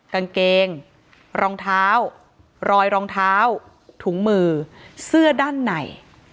กางเกงรองเท้ารอยรองเท้าถุงมือเสื้อด้านใน